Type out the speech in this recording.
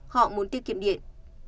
họ muốn tiết kiệm điện